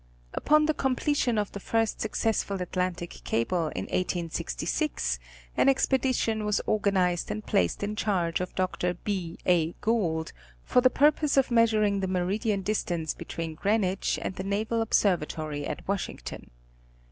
Upon the completion of the first successful Atlantic cable in 1866, an expedition was organized and placed in charge of Dr. B. A. Gould, for the purpose of measuring the meridian distance between Greenwich and the Naval Observatory at Washington.